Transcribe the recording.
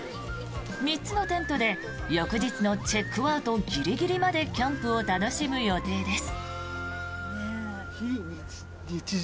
３つのテントで、翌日のチェックアウトギリギリまでキャンプを楽しむ予定です。